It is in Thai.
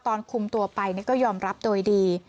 ตอนคุมตัวไปก็ยอมรับโดยดี